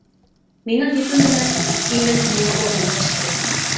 مېنىڭ گېپىم بىلەن ئىمىن مېنىڭ ئورنۇمغا چىقتى.